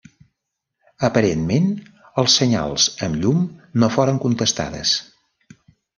Aparentment els senyals amb llum no foren contestades.